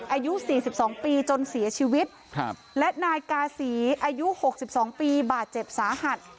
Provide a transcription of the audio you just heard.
อายุสี่สิบสองปีจนเสียชีวิตครับและนายกาศรีอายุหกสิบสองปีบาดเจ็บสาหัส